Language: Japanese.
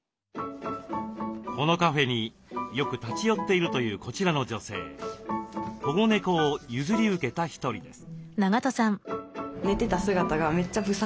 このカフェによく立ち寄っているというこちらの女性保護猫を譲り受けた一人です。